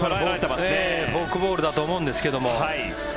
フォークボールだと思うんですけど。